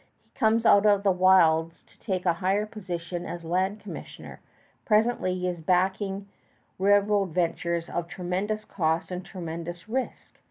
He comes out of the wilds to take a higher position as land commissioner. Presently he is backing railroad ventures of tremendous cost and tremendous risk.